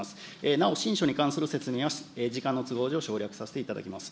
なお、信書に関する説明は時間の都合上、省略させていただきます。